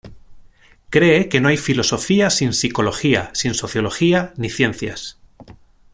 Cree que no hay filosofía sin psicología, sin sociología, ni ciencias.